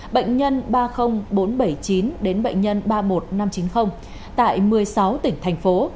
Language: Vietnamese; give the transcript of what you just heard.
bệnh nhân ba mươi nghìn bốn trăm bảy mươi chín đến bệnh nhân ba mươi một nghìn năm trăm chín mươi tại một mươi sáu tỉnh thành phố